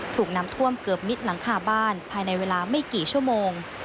ถูกน้ำท่วมเกือบมิดหลังคาบ้านภายในเวลาไม่กี่ชั่วโมง